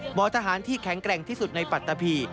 ทหารที่แข็งแกร่งที่สุดในปัตตะพี